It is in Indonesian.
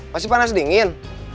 masih panas dingin